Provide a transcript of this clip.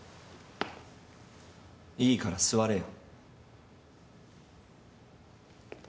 いいから座れよ。